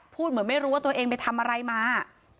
เหมือนไม่รู้ว่าตัวเองไปทำอะไรมา